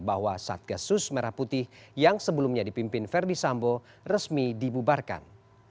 bahwa satgasus merah putih yang sebelumnya dipimpin verdi sambo resmi dibubarkan